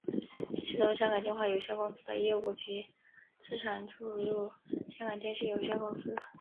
其中香港电话有限公司的业务及资产注入香港电讯有限公司。